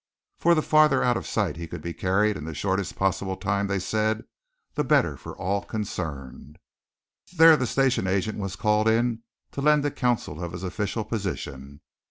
For the farther out of sight he could be carried in the shortest possible time, they said, the better for all concerned. There the station agent was called in to lend the counsel of his official position.